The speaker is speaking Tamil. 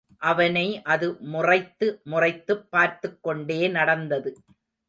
அவனை அது முறைத்து முறைத்துப் பார்த்துக் கொண்டே நடந்தது.